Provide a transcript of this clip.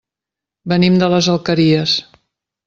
Venim de les Alqueries.